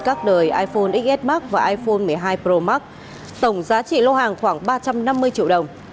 các đời iphone xs max và iphone một mươi hai pro max tổng giá trị lô hàng khoảng ba trăm năm mươi triệu đồng